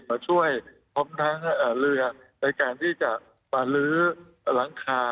มาช่วยพร้อมทั้งเรือในการที่จะมาลื้อหลังคา